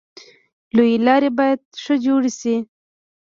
لویې لارې باید ښه جوړې شي.